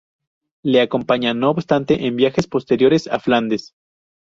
Le acompaña, no obstante, en viajes posteriores a Flandes.